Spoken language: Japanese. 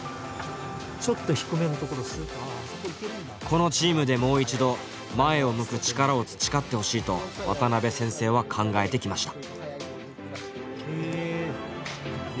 このチームでもう一度前を向く力を培ってほしいと渡辺先生は考えてきました。